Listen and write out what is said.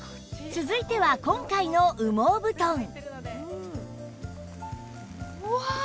続いては今回の羽毛布団わあ！